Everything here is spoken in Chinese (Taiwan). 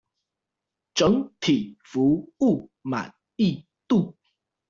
整體服務滿意度